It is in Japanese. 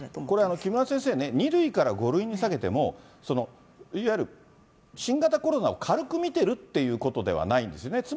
これ、木村先生ね、２類から５類に下げても、いわゆる、新型コロナを軽く見てるってことではないんですね。